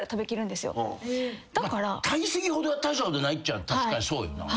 体積ほどは大したことないっちゃ確かにそうよな。